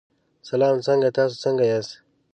سلام څنګه تاسو څنګه یاست.